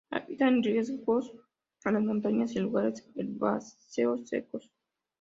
Habita en riscos en las montañas y lugares herbáceos secos.